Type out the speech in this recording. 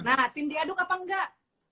nah ratin diaduk apa enggak